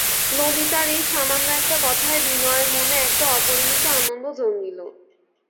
ললিতার এই সামান্য একটা কথায় বিনয়ের মনে একটা অপরিমিত আনন্দ জন্মিল।